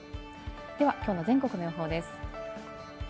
では、きょうの全国の予報です。